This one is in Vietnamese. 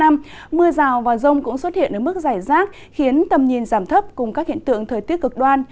mưa rào và rông cũng xuất hiện ở mức giải rác khiến tầm nhìn giảm thấp cùng các hiện tượng thời tiết cực đoan